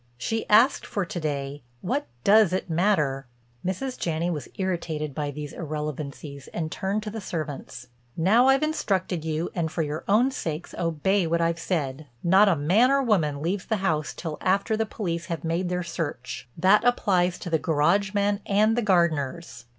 "She asked for to day—what does it matter?" Mrs. Janney was irritated by these irrelevancies and turned to the servants: "Now I've instructed you and for your own sakes obey what I've said. Not a man or woman leaves the house till after the police have made their search. That applies to the garage men and the gardeners.